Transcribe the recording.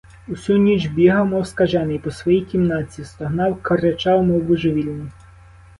Усю ніч бігав, мов скажений, по своїй кімнатці, стогнав, кричав, мов божевільний.